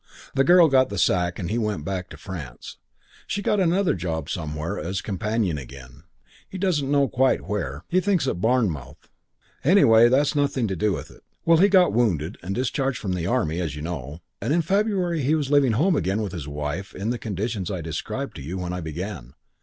The girl got the sack and he went back to France. She got another job somewhere as companion again. He doesn't quite know where. He thinks at Bournemouth. Anyway, that's nothing to do with it. Well, he got wounded and discharged from the Army, as you know, and in February he was living at home again with his wife in the conditions I described to you when I began.